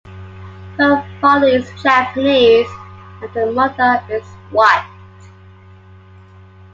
Her father is Japanese and her mother is white.